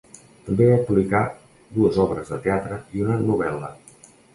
També va publicar dues obres de teatre i una novel·la.